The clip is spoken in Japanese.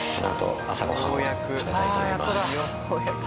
ようやく。